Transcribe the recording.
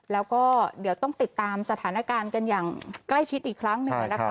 แล้วก็เดี๋ยวต้องติดตามสถานการณ์กันอย่างใกล้ชิดอีกครั้งหนึ่งนะคะ